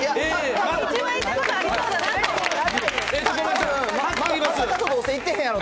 一番行ったことありそうだから。